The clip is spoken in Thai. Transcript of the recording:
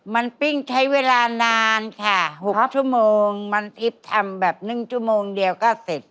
มันปิ้งใช้เวลานานค่ะ๖ชั่วโมงมันอิ๊บทำแบบ๑ชั่วโมงเดียวก็เสร็จ